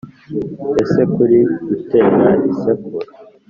ese kuri gutera isekuru?